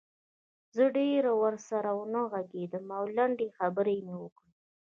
زه ډېر ورسره ونه غږېدم او لنډې خبرې مې وکړې